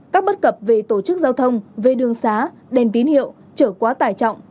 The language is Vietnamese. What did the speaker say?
các bất cập về tổ chức giao thông về đường xá đèn tín hiệu trở quá tải trọng